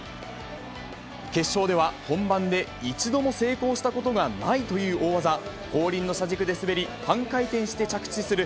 決勝では本番で一度も成功したことがないという大技、後輪の車軸で滑り、半回転して着地する